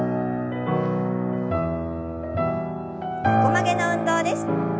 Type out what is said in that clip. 横曲げの運動です。